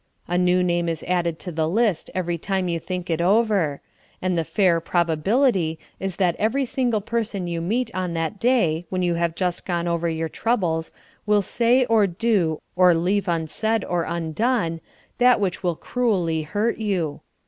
A new name is added to the list every time you think it over; and the fair probability is that every single person you meet on that day when you have just gone over your troubles will say or do, or leave unsaid or undone, that which will cruelly hurt you.